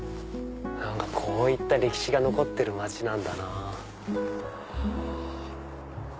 何かこういった歴史が残ってる街なんだな。